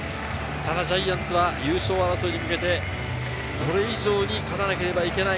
ただジャイアンツは優勝争いに向けてそれ以上に勝たなければいけない